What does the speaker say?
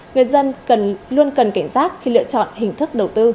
người dân luôn cần cảnh giác khi lựa chọn hình thức đầu tư